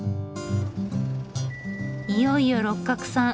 いよいよ六角さん